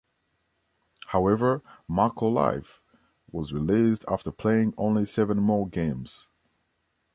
However, McAuliffe was released after playing only seven more games.